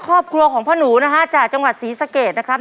ครอบครัวของพ่อหนูนะฮะจากจังหวัดศรีสะเกดนะครับ